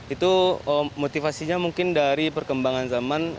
itu motivasinya mungkin dari perkembangan zaman